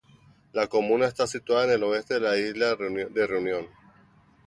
La comuna está situada en el oeste de la isla de Reunión.